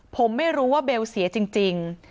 ผมไม่รู้ว่าเบลเสียจริง